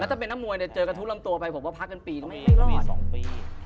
แล้วถ้าเป็นนักมวยเจอกันทุกลำตัวไปผมว่าพักกันปีไม่รอด